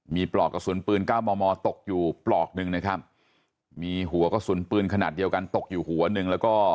มีปลอกกระสุนปืนเก้ามอมอตกอยู่ปลอกหนึ่งนะครับมีหัวกระสุนปืนขนาดเดียวกันตกอยู่หัวหนึ่งแล้วก็